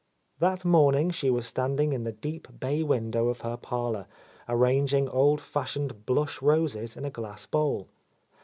That morning she was standing in the deep bay window of her parlour, arranging old fashioned blush roses in a glass bowl.